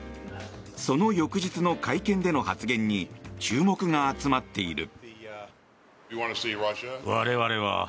その翌日の会見での発言に注目が集まっている。